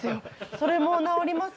それも治ります？